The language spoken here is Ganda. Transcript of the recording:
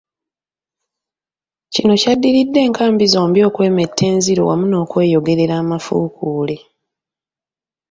Kino kyaddiridde enkambi zombi okwemetta enziro wamu n'okweyogerera amafuukule.